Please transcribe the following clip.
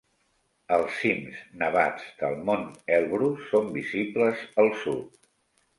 Els cims nevats del Mont Elbrus són visibles al sud.